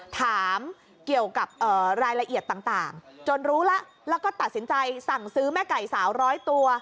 ถามเกี่ยวกับรายละเอียดต่างจนรู้แล้วแล้วก็ตัดสินใจสั่งซื้อแม่ไก่๓๐๐ตัว